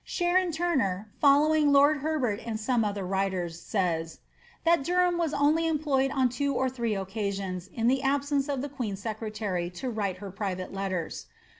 Sharon Turner, following lord Herbert and some other writers, says, ^ that Derham was only employed on two or three occasions in the absence of the queen's secretary to write her private letters.''